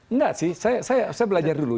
enggak sih saya belajar dulu